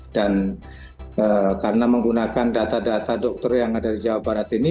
dan karena menggunakan data data dokter yang ada di jawa barat ini